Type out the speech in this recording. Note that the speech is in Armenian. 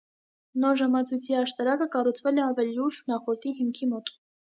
Նոր ժամացույցի աշտարակը կառուցվել է ավելի ուշ նախորդի հիմքի մոտ։